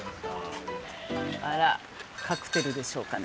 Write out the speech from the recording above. あらカクテルでしょうかね